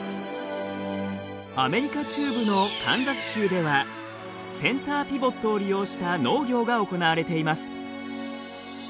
アメリカ中部のカンザス州ではセンターピボットを利用した農業が行われています。